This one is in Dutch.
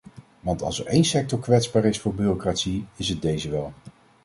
Want als er één sector kwetsbaar is voor bureaucratie, is het deze wel.